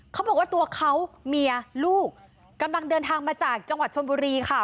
เขาบอกว่าตัวเขาเมียลูกกำลังเดินทางมาจากจังหวัดชนบุรีค่ะ